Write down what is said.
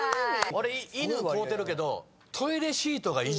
俺犬飼うてるけど。